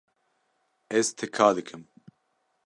Ez tika dikim.